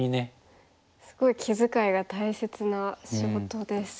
すごい気遣いが大切な仕事ですよね。